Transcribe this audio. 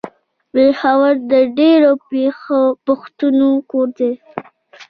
پېښور د ډېرو پښتنو کور ده.